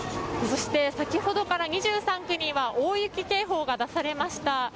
そして、先ほどから２３区には大雪警報が出されました。